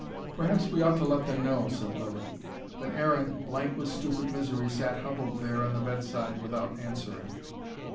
"Perhaps we ought to let them know," said Lilly. But Aaron, blank with stupid misery, sat huddled there on the bedside without answering.